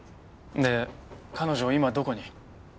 で彼女今どこに？